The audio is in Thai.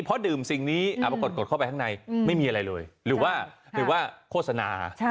เพราะดื่มสิ่งนี้ปรากฏกดเข้าไปข้างในไม่มีอะไรเลยหรือว่าโฆษณา